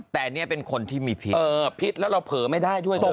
แต่เนี่ยเป็นคนที่มีพิษพิษแล้วเราเผลอไม่ได้ด้วย